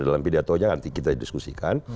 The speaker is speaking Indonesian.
dalam video itu nanti kita diskusikan